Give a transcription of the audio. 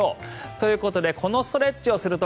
ということでこのストレッチをすると